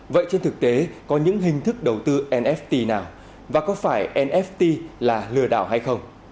vậy trên thực tế có những hình thức đầu tư nft nào và có phải nft là lừa đảo hay không